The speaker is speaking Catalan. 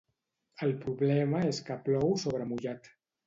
El problema és que plou sobre mullat.